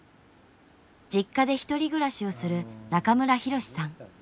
実家でひとり暮らしをする中村博司さん。